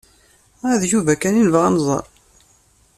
D Yuba ay nebɣa ad nẓer.